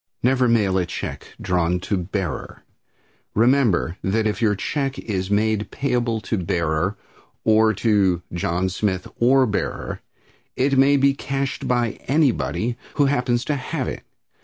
Never mail a check drawn to "Bearer." Remember that if your check is made payable to "Bearer" or to "John Smith or Bearer" it may be cashed by anybody who happens to have it.